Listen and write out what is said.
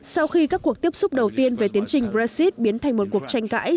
sau khi các cuộc tiếp xúc đầu tiên về tiến trình brexit biến thành một cuộc tranh cãi